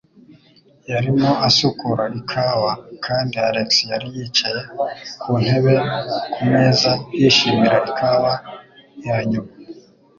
Yarimo asukura ikawa kandi Alex yari yicaye ku ntebe ku meza, yishimira ikawa ya nyuma.